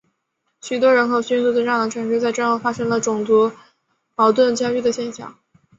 许多人口迅速增长的城市在战后发生了种族矛盾加剧的现象。